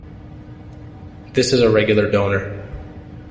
This is a regular donor.